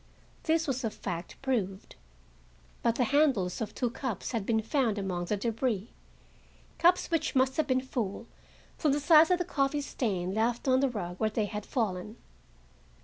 This was a fact, proved. But the handles of two cups had been found among the debris,—cups which must have been full, from the size of the coffee stain left on the rug where they had fallen.